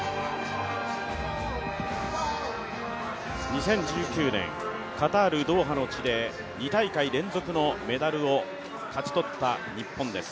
２０１９年、カタール・ドーハの地で２大会連続のメダルを勝ち取った日本です。